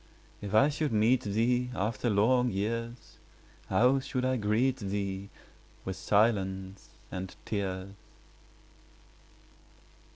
If I should meet thee After long years, 30 How should I greet thee? With silence and tears.